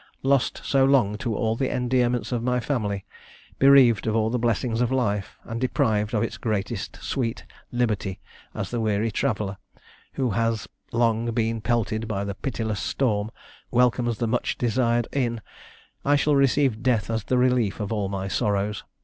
Lost so long to all the endearments of my family, bereaved of all the blessings of life, and deprived of its greatest sweet, liberty, as the weary traveller, who has long been pelted by the pitiless storm, welcomes the much desired inn, I shall receive death as the relief of all my sorrows.